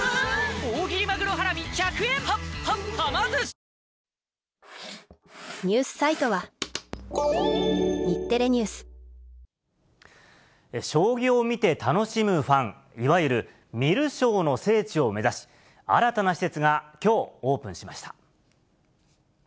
それを見てどう思うか、伝えたら、何か社会は変わる将棋を見て楽しむファン、いわゆる観る将の聖地を目指し、新たな施設がきょうオープンしました。